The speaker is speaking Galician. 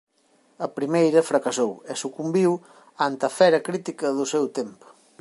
A primeira fracasou e sucumbiu ante a fera crítica do seu tempo.